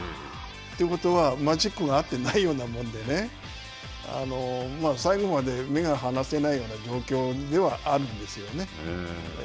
ということは、マジックがあってないようなもんでね、最後まで目が離せないような状況ではあるんですよね。